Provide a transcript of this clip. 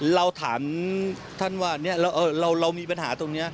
เราถามท่านว่าเรามีปัญหาตรงนี้